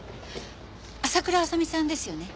朝倉亜沙美さんですよね？